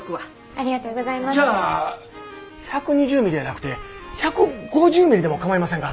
じゃあ１２０ミリやなくて１５０ミリでもかまいませんか？